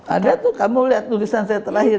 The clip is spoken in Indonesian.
ada tuh kamu lihat tulisan saya terakhir